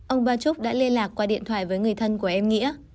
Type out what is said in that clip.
ông ba trúc đã liên lạc qua điện thoại với người thân của em nghĩa